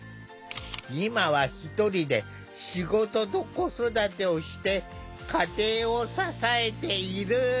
今は１人で仕事と子育てをして家庭を支えている。